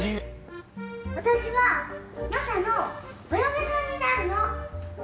私はマサのお嫁さんになるの！